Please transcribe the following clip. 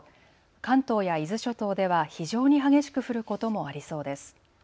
関東や伊豆諸島では非常に激しく降ることもありそうです。